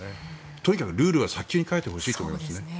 とにかくルールは、早急に変えてほしいと思いますね。